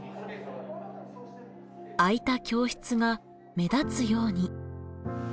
空いた教室が目立つように。